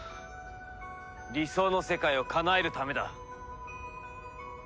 理想の世界をかなえるためだ。